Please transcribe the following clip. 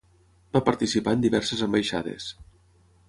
Va participar en diverses ambaixades.